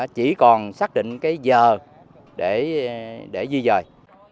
chỉ còn xác định giờ để di rời